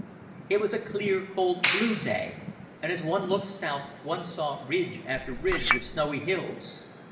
It was a clear, cold, blue day, and as one looked south one saw ridge after ridge of snowy hills.